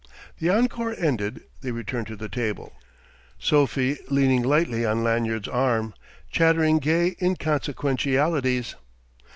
The encore ended; they returned to the table, Sophie leaning lightly on Lanyard's arm, chattering gay inconsequentialities.